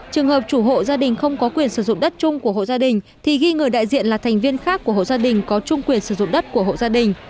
trường hợp chủ hộ gia đình không có quyền sử dụng đất chung của hộ gia đình thì ghi người đại diện là thành viên khác của hộ gia đình có chung quyền sử dụng đất của hộ gia đình